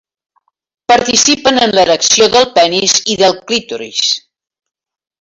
Participen en l'erecció del penis i del clítoris.